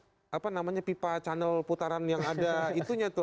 apa namanya pipa channel putaran yang ada itunya tuh